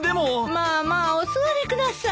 まあまあお座りください。